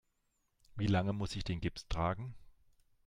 Wie lange muss ich den Gips tragen?